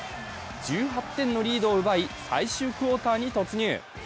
１８点のリードを奪い、最終クオーターに突入。